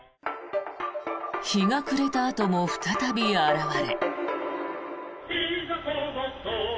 日が暮れたあとも再び現れ。